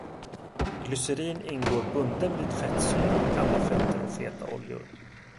Glycerin ingår bunden vid fettsyror i alla fetter och feta oljor.